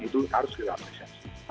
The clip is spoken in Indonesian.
itu harus dilakukan